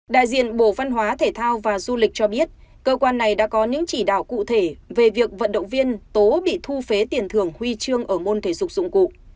đại diện bộ văn hóa thể thao và du lịch cho biết cơ quan này đã có những chỉ đạo cụ thể về việc vận động viên tố bị thu phí tiền thưởng huy chương ở môn thể dục dụng cụ